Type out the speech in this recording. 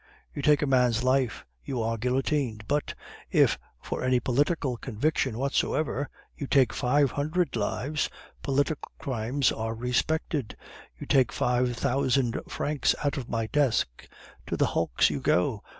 You take a man's life, you are guillotined. But if, for any political conviction whatsoever, you take five hundred lives, political crimes are respected. You take five thousand francs out of my desk; to the hulks you go.